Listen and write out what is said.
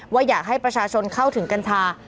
ว่าอยากให้ประชาชนเข้าถึงกัญชา